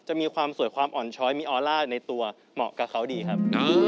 มีความสวยความอ่อนช้อยมีออร่าในตัวเหมาะกับเขาดีครับ